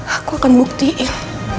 aku akan buktiin